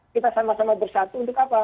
kita sama sama bersatu untuk apa